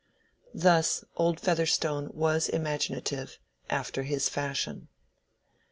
Thus old Featherstone was imaginative, after his fashion.